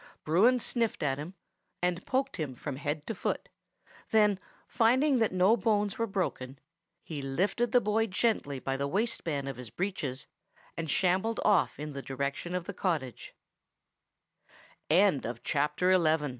Bruin sniffed at him, and poked him from head to foot; then, finding that no bones were broken, he lifted the boy gently by the waistband of his breeches, and shambled off in the direction of the cott